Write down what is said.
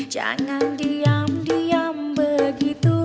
jangan diam diam begitu